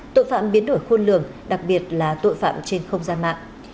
tội phạm biến đổi khuôn lường đặc biệt là tội phạm trên không gian mạng